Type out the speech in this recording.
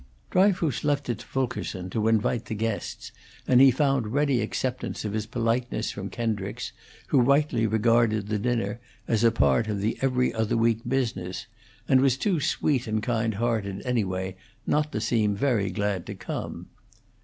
Dryfoos left it to Fulkerson to invite the guests, and he found ready acceptance of his politeness from Kendricks, who rightly regarded the dinner as a part of the 'Every Other Week' business, and was too sweet and kind hearted, anyway, not to seem very glad to come.